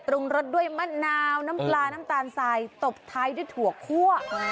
รสด้วยมะนาวน้ำปลาน้ำตาลทรายตบท้ายด้วยถั่วคั่ว